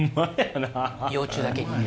幼虫だけに。